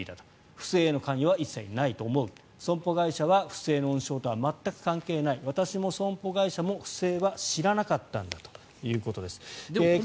不正への関与は一切ないと思う損保会社は不正の温床とは全く関係ない私も損保会社も不正は知らなかったんだと。